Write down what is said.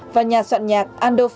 và nhà soạn nhạc